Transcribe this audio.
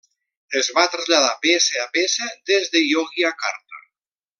Es va traslladar peça a peça des de Yogyakarta.